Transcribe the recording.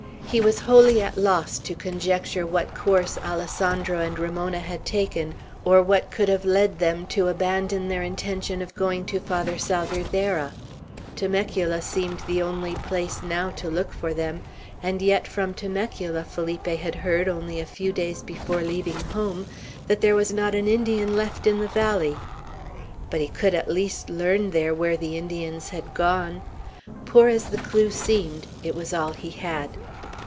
He was wholly at loss to conjecture what course Alessandro and Ramona had taken, or what could have led them to abandon their intention of going to Father Salvierderra. Temecula seemed the only place, now, to look for them; and yet from Temecula Felipe had heard, only a few days before leaving home, that there was not an Indian left in the valley. But he could at least learn there where the Indians had gone. Poor as the clew seemed, it was all he had.